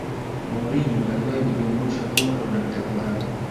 mourinho aliwahi kujiondosha porto na inter milan